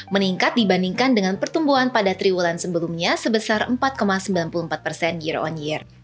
meningkat dibandingkan dengan pertumbuhan pada triwulan sebelumnya sebesar empat sembilan puluh empat persen year on year